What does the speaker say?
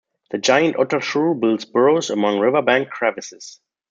The giant otter shrew builds burrows among riverbank crevices.